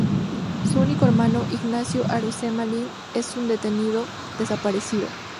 Su único hermano, Ignacio Arocena Linn, es un detenido desaparecido.